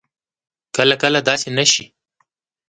کله کله داسې نه شي